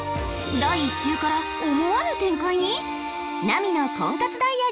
第１週から思わぬ展開に？